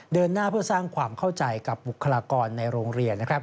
เดินหน้าเพื่อสร้างความเข้าใจกับบุคลากรในโรงเรียน